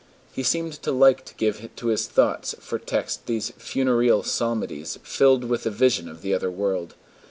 He seemed to like to give to his thoughts for text these funereal psalmodies filled with the vision of the other world.